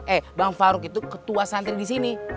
eh bang farouk itu ketua santri di sini